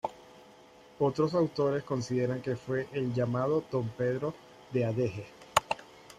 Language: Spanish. Otros autores consideran que fue el llamado don Pedro de Adeje.